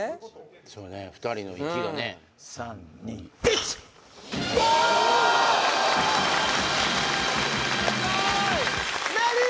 そうね２人の息がね３２１おっ！